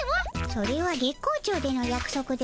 それは月光町でのやくそくでおじゃる。